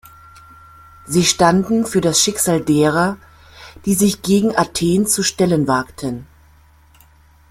Sie standen für das Schicksal derer, die sich gegen Athen zu stellen wagten.